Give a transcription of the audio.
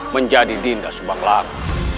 menjadi dinda subang lara